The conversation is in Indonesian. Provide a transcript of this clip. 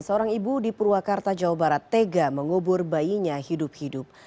seorang ibu di purwakarta jawa barat tega mengubur bayinya hidup hidup